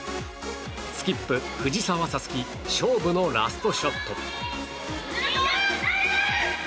スキップ藤澤五月勝負のラストショット。